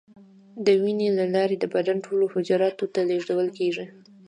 د وینې له لارې د بدن ټولو حجراتو ته لیږدول کېږي.